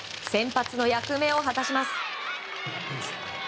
先発の役目を果たします。